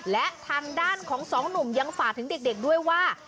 และทางด้านของสองหนุ่มยังฝากถึงเด็กด้วยว่า